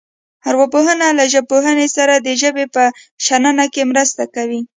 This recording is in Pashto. ارواپوهنه له ژبپوهنې سره د ژبې په شننه کې مرسته کوي